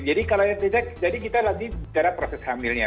jadi kita lagi bicara proses hamilnya